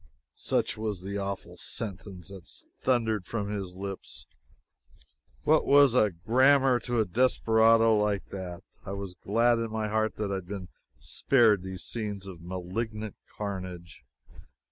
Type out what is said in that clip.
Such was the awful sentence that thundered from his lips. What was grammar to a desperado like that? I was glad in my heart that I had been spared these scenes of malignant carnage.